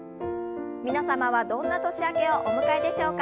皆様はどんな年明けをお迎えでしょうか？